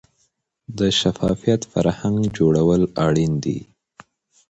د شفافیت فرهنګ جوړول اړین دي